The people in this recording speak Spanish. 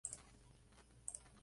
Pero ese no es el único cambio.